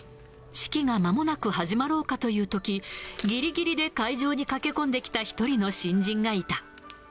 式がまもなく始まろうかというとき、ぎりぎりで会場に駆け込んできた１人の新人がいた。